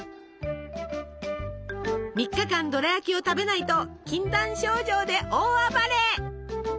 ３日間ドラやきを食べないと禁断症状で大暴れ！